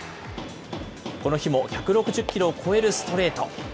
この日も１６０キロを超えるストレート。